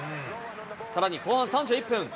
さらに後半３１分。